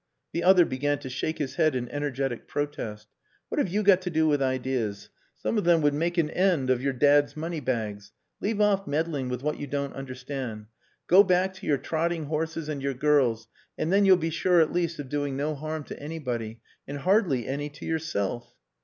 The other began to shake his head in energetic protest. "What have you got to do with ideas? Some of them would make an end of your dad's money bags. Leave off meddling with what you don't understand. Go back to your trotting horses and your girls, and then you'll be sure at least of doing no harm to anybody, and hardly any to yourself."